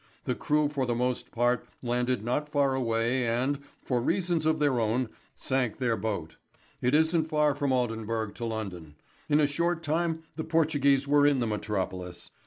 The crew for the most part landed not far away and, for reasons of their own, sank their boat. It isn't far from Aldenburgh to London: in a short time the Portuguese were in the Metropolis.